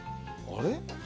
あれ？